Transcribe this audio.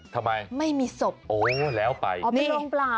ทำไมโอ๊ยแล้วไปนี่ไม่มีศพ